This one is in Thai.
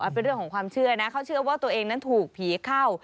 เป็นเรื่องของความเชื่อนะเขาเชื่อว่าตัวเองนั้นถูกผีเข้า